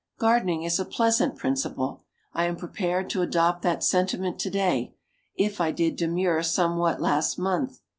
"Gardening is a pleasant pastime." I am prepared to adopt that sentiment to day, if I did demur somewhat last month.